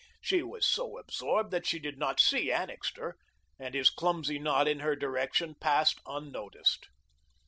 She was so absorbed that she did not see Annixter, and his clumsy nod in her direction passed unnoticed.